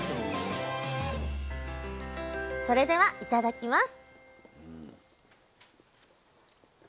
それではいただきます！